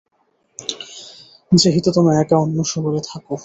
যেহেতু তুমি একা অন্য শহরে থাকো।